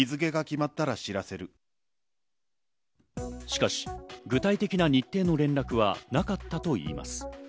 しかし、具体的な日程の連絡はなかったといいます。